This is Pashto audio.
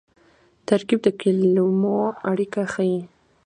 ترکیب د کلیمو اړیکه ښيي.